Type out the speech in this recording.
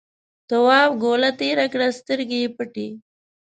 تواب گوله تېره کړه سترګې یې پټې.